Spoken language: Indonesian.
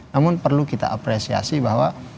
namun perlu kita apresiasi bahwa